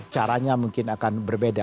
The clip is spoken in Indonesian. caranya mungkin akan berbeda